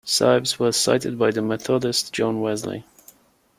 Sibbes was cited by the Methodist John Wesley.